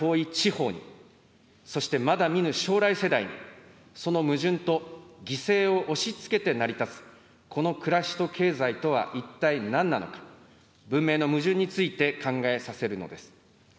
都会から遠い地方に、そしてまだ見ぬ将来世代に、その矛盾と犠牲を押しつけて成り立つ、この暮らしと経済とは一体なんなのか、文明の矛盾について考えさせるのです。